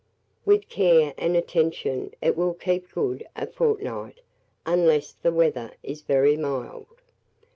With care and attention, it will keep good a fortnight, unless the weather is very mild.